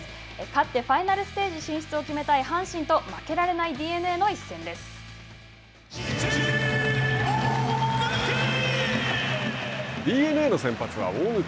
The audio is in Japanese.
勝ってファイナルステージ進出を決めたい阪神と負けられないＤｅＤｅＮＡの先発は大貫。